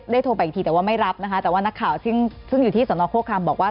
โทรไปอีกทีแต่ว่าไม่รับนะคะแต่ว่านักข่าวซึ่งอยู่ที่สนโฆครามบอกว่า